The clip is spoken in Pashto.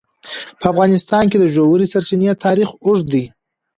په افغانستان کې د ژورې سرچینې تاریخ اوږد دی.